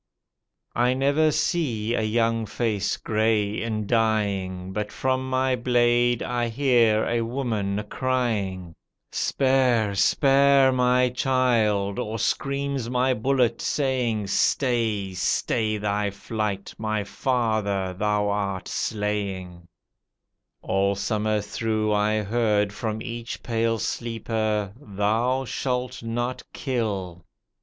I never see a young face grey in dying But from my blade I hear a woman crying: THE SAD YEARS THE QUESTION (Continued) Spare, spare my child !" or screams my bullet, saying, "Stay, stay thy flight! My father thou art slaying." All summer through I heard from each pale sleeper, "Thou shalt not kill."